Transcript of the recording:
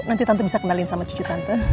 nanti tante bisa kenalin sama cucu tante